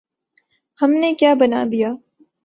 ہم نے کیا بنا دیا؟